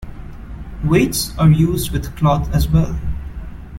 Weights are used with cloth as well.